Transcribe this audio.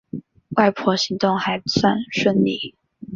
外婆行动还算顺利